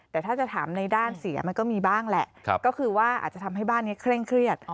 แต่ถ้าจะถามในด้านเสียมันก็มีบ้างแหละก็คือว่าอาจจะทำให้บ้านนี้เคร่งเครียด